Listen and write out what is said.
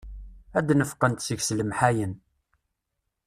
Ad neffqent seg-s lemḥayen.